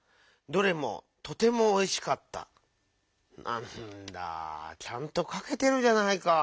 なんだちゃんとかけてるじゃないか。